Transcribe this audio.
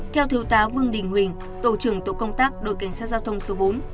theo thiếu tá vương đình huệ tổ trưởng tổ công tác đội cảnh sát giao thông số bốn